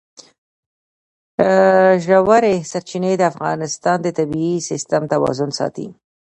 ژورې سرچینې د افغانستان د طبعي سیسټم توازن ساتي.